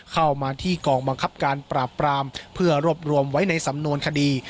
เข้ามาที่กองบังคับการปราบปรามเพื่อรวบรวมไว้ในสำนวนคดี